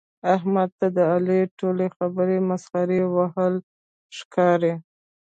احمد ته د علي ټولې خبرې مسخرې وهل ښکاري.